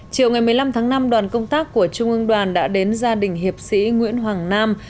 chiều ngày một mươi năm tháng năm đoàn công tác của trung ương đoàn đã đến gia đình hiệp sĩ nguyễn hoàng nam